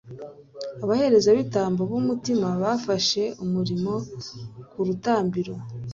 abaherezabitambo b'umutima bafashe umuriro ku rutambiro